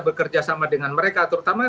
bekerja sama dengan mereka terutama